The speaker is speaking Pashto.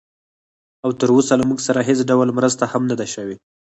او تراوسه له موږ سره هېڅ ډول مرسته هم نه ده شوې